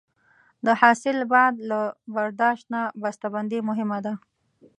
د حاصل بعد له برداشت نه بسته بندي مهمه ده.